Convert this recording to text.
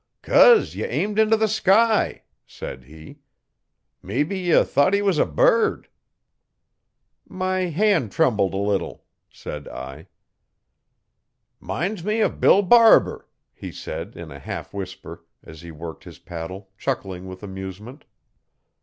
'Cos ye aimed into the sky,' said he. 'Mebbe ye thought he was a bird.' 'My hand trembled a little,' said I. ''Minds me of Bill Barber,' he said in a half whisper, as he worked his paddle, chuckling with amusement.